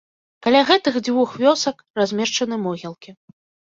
Каля гэтых дзвюх вёсак размешчаны могілкі.